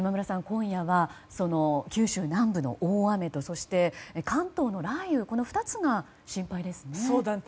今夜は九州南部の大雨とそして、関東の雷雨この２つが心配ですね。